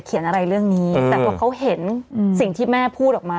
เขียนอะไรเรื่องนี้แต่ว่าเขาเห็นอืมสิ่งที่แม่พูดออกมา